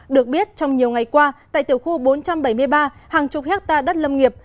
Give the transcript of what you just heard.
được biết trong nhiều ngày qua tại tiểu khu bốn trăm bảy mươi ba hàng chục hectare đất lâm nghiệp